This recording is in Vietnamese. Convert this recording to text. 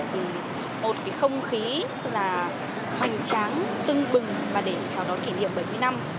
thì một cái không khí là hoành tráng tưng bừng và để cho nó kỷ niệm bảy mươi năm